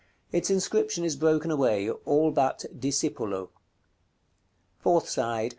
Its inscription is broken away, all but "DISIPULO." _Fourth side.